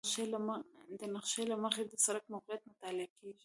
د نقشې له مخې د سړک موقعیت مطالعه کیږي